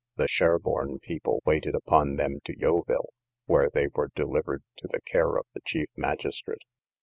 The Sherborne people waited upon them to Yeovil, where they were delivered to the care of the chief magistrate.